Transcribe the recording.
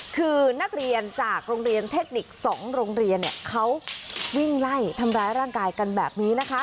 คือนักเรียนจากโรงเรียนเทคนิค๒โรงเรียนเขาวิ่งไล่ทำร้ายร่างกายกันแบบนี้นะคะ